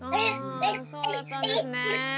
そうだったんですね。